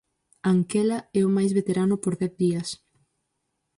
Anquela é o máis veterano por dez días.